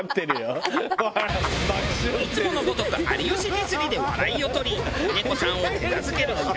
いつものごとく有吉ディスりで笑いをとり峰子さんを手なずける平子。